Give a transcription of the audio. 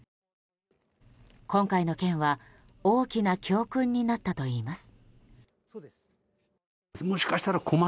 今回の件は大きな教訓になったといいます。